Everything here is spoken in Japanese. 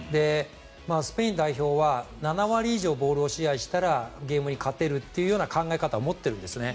スペイン代表は７割以上ボールを支配したらゲームに勝てるという考え方を持っているんですね。